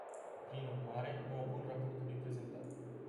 Prin urmare, mă opun raportului prezentat.